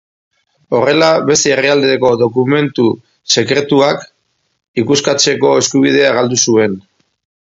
Horrela, bere herrialdeko dokumentu sekretuak ikuskatzeko eskubidea galdu zuen.